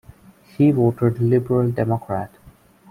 He voted Liberal Democrat.